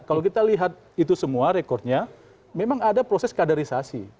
kalau kita lihat itu semua rekodnya memang ada proses kaderisasi